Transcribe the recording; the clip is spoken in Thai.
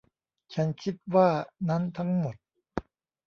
ฉันคิดว่านั้นทั้งหมด